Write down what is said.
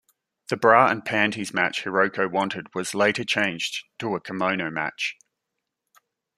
The bra and panties match Hiroko wanted was later changed to a kimono match.